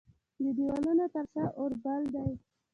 د دیوالونو تر شا اوربل دی